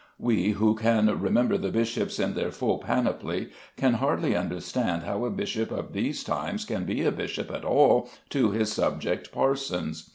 We who can remember the bishops in their full panoply can hardly understand how a bishop of these times can be a bishop at all to his subject parsons.